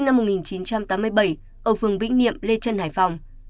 và nguyễn thị thanh hương